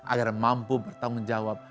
agar mampu bertanggung jawab